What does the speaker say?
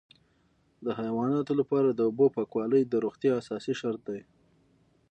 د حیواناتو لپاره د اوبو پاکوالی د روغتیا اساسي شرط دی.